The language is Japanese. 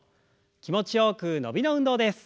気持ちよく伸びの運動です。